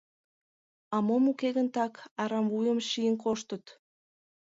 — А мом уке гын так, арам вуйым шийын коштыт?